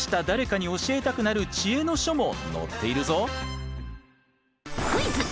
誰かに教えたくなる知恵の書も載っているぞ。